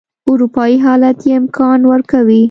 اروایي حالت یې امکان ورکوي.